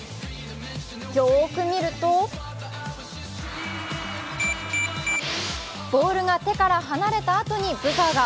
よーく見るとボールが手から離れたあとにブザーが。